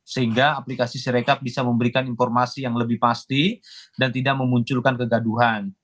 sehingga aplikasi sirekap bisa memberikan informasi yang lebih pasti dan tidak memunculkan kegaduhan